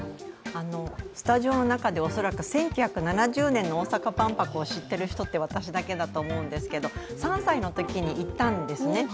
スタジオの中では恐らく１９７０年の大阪万博を知っている人って私だけだと思うんですけど３歳のときに行ったんですね。